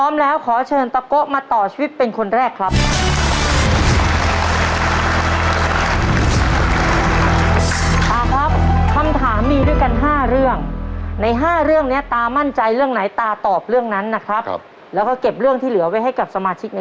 แบบคว่าเครื่องที่๑น้ำแข็งใส